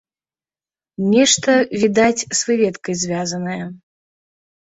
Нешта, відаць, з выведкай звязанае.